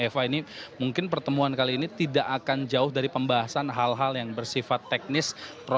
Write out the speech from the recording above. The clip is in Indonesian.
eva ini mungkin pertemuan kali ini tidak akan jauh dari pembahasan hal hal yang bersifat teknis